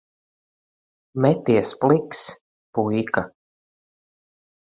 Meties pliks, puika.